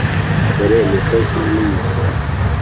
dore imisozi n’ibibaya,